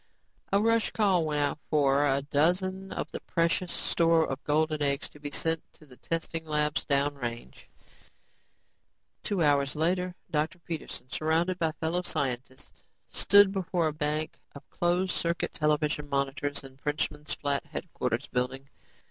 A rush call went out for a dozen of the precious store of golden eggs to be sent to the testing labs down range. Two hours later, Dr. Peterson, surrounded by fellow scientists, stood before a bank of closed circuit television monitors in the Frenchman's Flat headquarters building.